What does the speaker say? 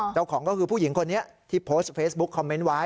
เจ้าของก็คือผู้หญิงคนนี้ที่โพสต์เฟซบุ๊คคอมเมนต์ไว้